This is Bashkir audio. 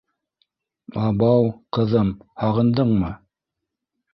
— Абау, ҡыҙым, һағындыңмы?